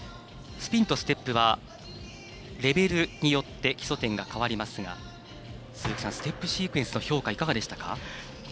スピンとステップはレベルによって基礎点が変わりますがステップシークエンスの評価いかがでしたか。